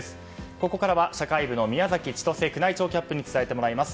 ここからは社会部の宮崎千歳宮内庁キャップに伝えてもらいます。